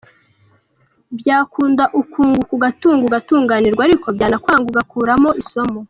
Byakunda ukunguka ugatunga ugatunganirwa ariko byanakwanga ugakuramo isomo.